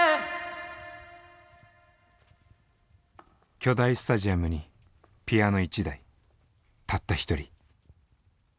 巨大スタジアムにピアノ１台たった１人。